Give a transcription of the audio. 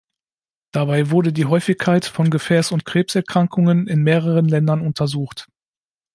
Dabei wurde die Häufigkeit von Gefäß- und Krebserkrankungen in mehreren Ländern untersucht.